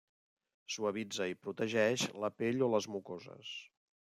Suavitza i protegeix la pell o les mucoses.